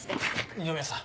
二宮さん